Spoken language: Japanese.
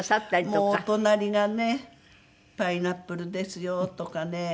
もうお隣がね「パイナップルですよ」とかね